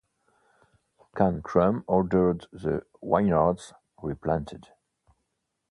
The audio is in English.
Khan Krum ordered the vineyards replanted.